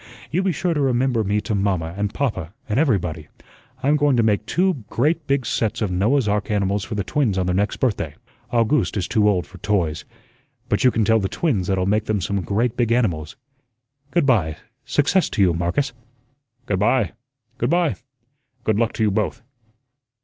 "You be sure to remember me to mamma, and papa, and everybody. I'm going to make two great big sets of Noah's ark animals for the twins on their next birthday; August is too old for toys. But you can tell the twins that I'll make them some great big animals. Good by, success to you, Marcus." "Good by, good by. Good luck to you both."